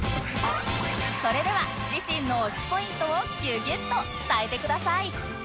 それでは自身の推しポイントをギュギュッと伝えてください